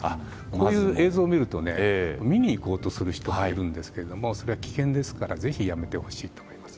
こういう映像を見ると見に行こうとする人がいるんですけどもそれは危険ですからぜひやめてほしいと思います。